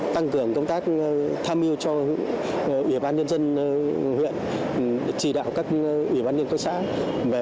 tăng cường công tác tham mưu cho ủy ban nhân dân huyện chỉ đạo các ủy ban nhân cơ xã